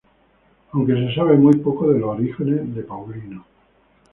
Aunque se sabe muy poco de los orígenes de Paulino.